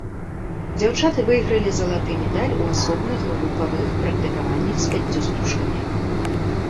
Дзяўчаты выйгралі залаты медаль у асобных групавых практыкаваннях з пяццю стужкамі.